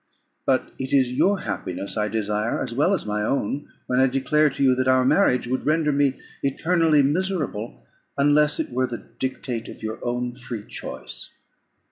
But it is your happiness I desire as well as my own, when I declare to you, that our marriage would render me eternally miserable, unless it were the dictate of your own free choice.